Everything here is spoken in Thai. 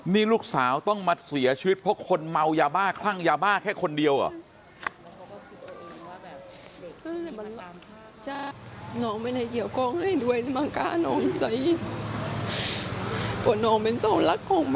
นี่ลูกสาวต้องมาเสียชีวิตเพราะคนเมายาบ้าคลั่งยาบ้าแค่คนเดียวเหรอ